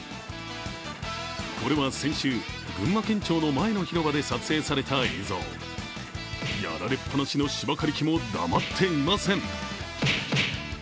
これは先週、群馬県庁の前の広場で撮影された映像。やられっぱなしの芝刈り機も黙っていません。